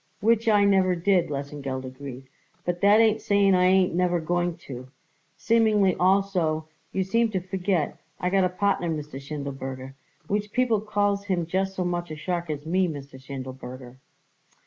"Which I never did," Lesengeld agreed; "but that ain't saying I ain't never going to. Seemingly, also, you seem to forget I got a partner, Mr. Schindelberger, which people calls him just so much a shark as me, Mr. Schindelberger."